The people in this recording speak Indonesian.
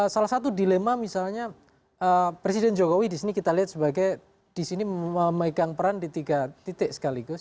salah satu dilema misalnya presiden jokowi di sini kita lihat sebagai di sini memegang peran di tiga titik sekaligus